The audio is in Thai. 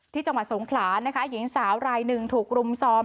จังหวัดสงขลานะคะหญิงสาวรายหนึ่งถูกรุมซ้อม